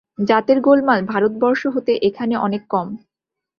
জাতের গোলমাল ভারতবর্ষ হতে এখানে অনেক কম।